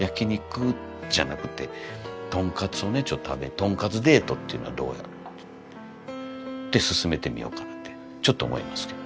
とんかつデートっていうのはどうやろっていってってすすめてみようかなってちょっと思いますけど。